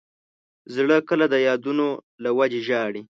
زړه کله د یادونو له وجې ژاړي.